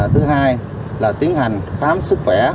thứ hai là tiến hành khám sức khỏe